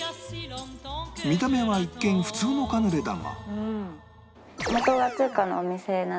見た目は一見普通のカヌレだが